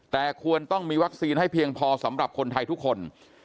แต่ควรต้องมีวัคซีนให้เพียงพอสำหรับคนไทยทุกคน